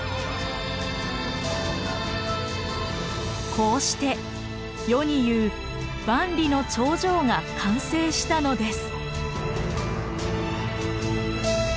こうして世にいう「万里の長城」が完成したのです。